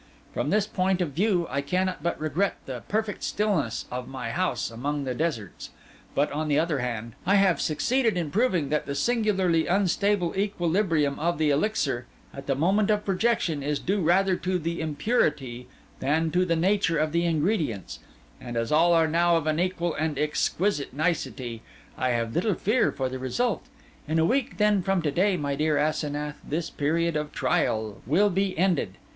From this point of view, I cannot but regret the perfect stillness of my house among the deserts; but, on the other hand, I have succeeded in proving that the singularly unstable equilibrium of the elixir, at the moment of projection, is due rather to the impurity than to the nature of the ingredients; and as all are now of an equal and exquisite nicety, I have little fear for the result. In a week then from to day, my dear Asenath, this period of trial will be ended.